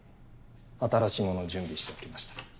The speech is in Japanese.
新しいものを準備しておきました。